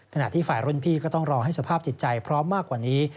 ขณะที่ฝ่ายรุ่นพี่ก็ต้องรอให้สภาพจิตใจพร้อมมากกว่านี้